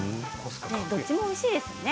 どっちもおいしいですね